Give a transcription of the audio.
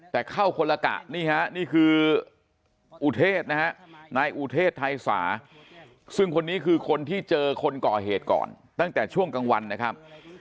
แต่เข้าคนละกะนี่ฮะนี่คืออุเทศนะฮะนายอุเทศไทยสาซึ่งคนนี้คือคนที่เจอคนก่อเหตุก่อนตั้งแต่ช่วงกลางวันนะครับ